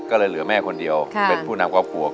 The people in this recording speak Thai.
ก็เลยเหลือแม่คนเดียวเป็นผู้นำครอบครัว